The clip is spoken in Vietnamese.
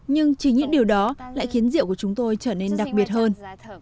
nhưng chỉ những điều đó lại khiến rượu của chúng tôi trở nên đặc biệt hơn